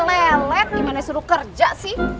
lelet gimana suruh kerja sih